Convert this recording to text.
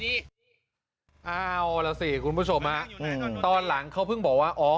เอาล่ะสิคุณผู้ชมฮะตอนหลังเขาเพิ่งบอกว่าอ๋อ